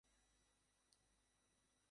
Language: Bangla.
আমি মারা যাচ্ছি।